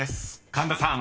神田さん